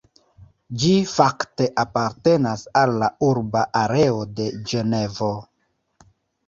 Ĝi fakte apartenas al la urba areo de Ĝenevo.